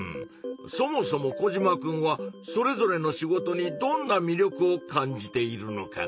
そもそもコジマくんはそれぞれの仕事にどんなみりょくを感じているのかな？